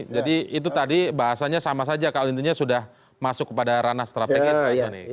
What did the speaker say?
jadi itu tadi bahasanya sama saja kalau intinya sudah masuk kepada ranah strategi pak soni